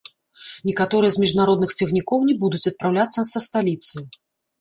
Некаторыя з міжнародных цягнікоў не будуць адпраўляцца са сталіцы.